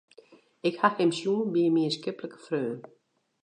Ik ha him sjoen by in mienskiplike freon.